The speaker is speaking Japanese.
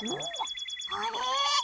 あれ？